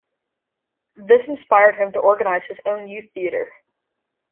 This inspired him to organize his own youth theater.